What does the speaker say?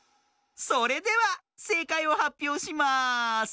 それではせいかいをはっぴょうします。